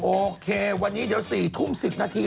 โอเควันนี้เดี๋ยว๔ทุ่ม๑๐นาที